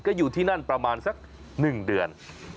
ก็อยู่ที่นั่นประมาณสัก๑เดือน